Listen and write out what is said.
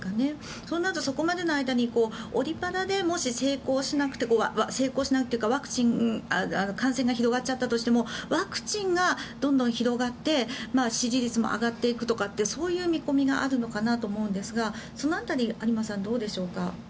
そうなると、そこまでの間にオリ・パラでもし成功しなくてというか感染が広がっちゃったとしてもワクチンがどんどん広がって支持率も上がっていくとかっていうそういう見込みがあるのかなと思うんですがその辺りは有馬さんどうでしょうか？